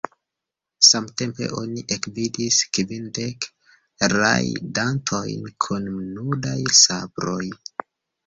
Samtempe oni ekvidis kvindek rajdantojn kun nudaj sabroj.